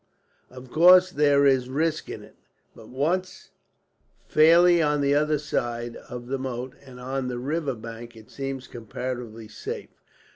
Of course there is risk in it, but once fairly on the other side of the moat, and on the river bank, it seems comparatively safe.